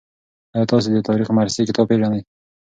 آیا تاسي د تاریخ مرصع کتاب پېژنئ؟